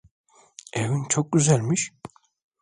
Evin çok güzelmiş.